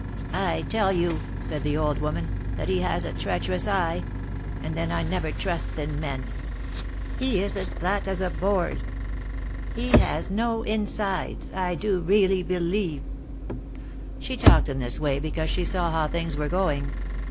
"I tell you," said the old woman, "that he has a treacherous eye; and then I never trust thi n me n; he is as flat as a board ; he has no insides~T do really believe." THE MARKETS OF PARIS. 161 She talked in this way because she saw how things were going.